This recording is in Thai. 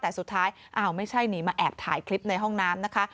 แต่สุดท้ายอ้าวไม่ใช่หนีมาแอบถ่ายคลิปในห้องน้ำนะคะ